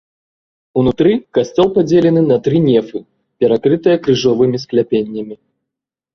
Унутры касцёл падзелены на тры нефы, перакрытыя крыжовымі скляпеннямі.